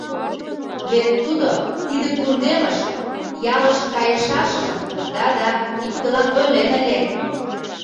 — Вет тудо тиде кундемыш, ялыш кайышашыжым, да-да, иктылан ойлен ыле...